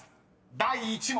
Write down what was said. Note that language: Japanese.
第１問］